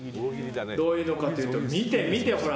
どういうのかというと見て、見て。